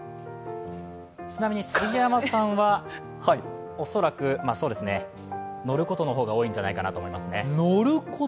ちなみに杉山さんは恐らく乗ることの方が多いんじゃないかと思いますね。